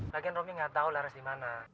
lagian romnya gak tau laras dimana